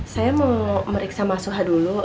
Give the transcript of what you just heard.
saya mau meriksa mas suha dulu